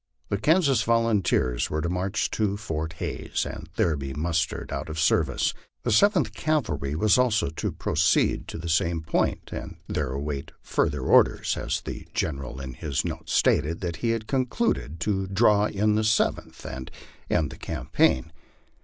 The Kansas volunteers were to march to Fort Hays, and there be mustered out of the service. The Seventh Cavalry was also to proceed to the same point, and there await further orders, as the Gen eral in his note stated that he had concluded to draw in the Seventh, and end the campaign.